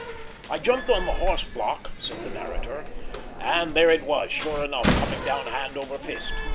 "I jumped on the horse block," said the narrator, "and there it was, sure enough, coming down hand over fist.